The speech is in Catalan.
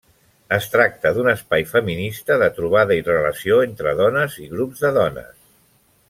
Es tracta d'un espai feminista de trobada i relació entre dones i grups de dones.